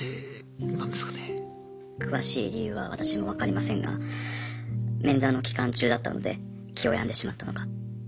詳しい理由は私も分かりませんが面談の期間中だったので気を病んでしまったのか。